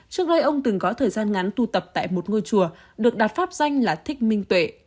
trước đây ông từng có thời gian ngắn tu tập tại một ngôi chùa được đặt pháp danh là thích minh tuệ